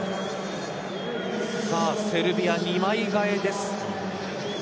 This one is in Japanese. セルビア２枚代えです。